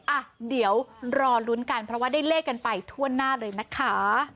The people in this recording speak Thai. อ่ะเดี๋ยวรอลุ้นกันเพราะว่าได้เลขกันไปทั่วหน้าเลยนะคะ